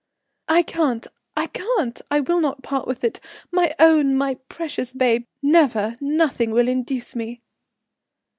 "I can't, I can't. I will not part with it. My own, my precious babe. Never. Nothing will induce me."